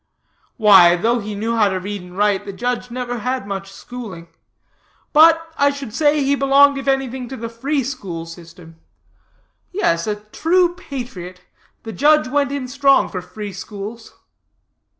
"Why, though he knew how to read and write, the judge never had much schooling. But, I should say he belonged, if anything, to the free school system. Yes, a true patriot, the judge went in strong for free schools."